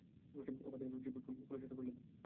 ওখান থেকে notice board খুলে ছুড়ে ফেলে দিবো।